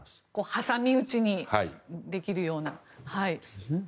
挟み撃ちにできるような。